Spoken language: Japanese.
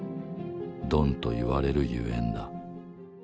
「ドン」と言われるゆえんだ